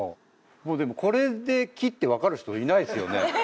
でもこれで木って分かる人いないっすよね？